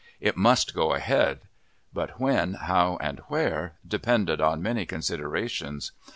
It must go ahead, but when, how, and where, depended on many considerations.